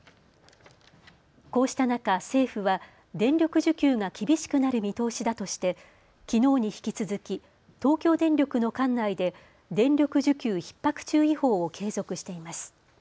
こうした中、政府は電力需給が厳しくなる見通しだとして、きのうに引き続き東京電力の管内で電力需給ひっ迫注意報を継続しています。